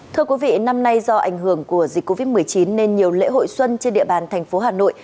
thưa quý vị năm nay do ảnh hưởng của dịch covid một mươi chín nên nhiều lễ hội xuân trên địa bàn thành phố hà nội